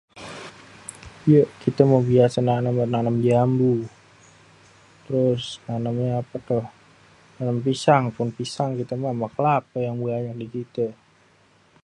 Ye kita mah biasa nanem jambu. Terus nanemnya apa tuh, nanem pisang, pohon pisang kita mah, sama kelape yang banyak di kite.